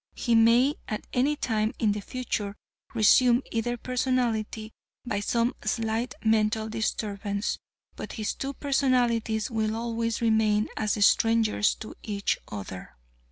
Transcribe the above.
He may at any time in the future resume either personality by some slight mental disturbance, but his two personalities will always remain as strangers to each other."